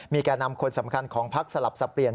มีแก่นำคนสำคัญของภักดิ์สลับสะเปียน